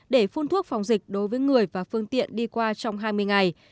để phun thuốc phòng dịch đối với người và phương tiện đi qua trong hai mươi ngày